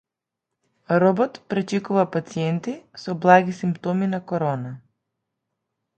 Робот пречекува пациенти со благи симптоми на Корона